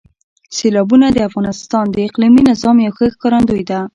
سیلابونه د افغانستان د اقلیمي نظام یو ښه ښکارندوی ده.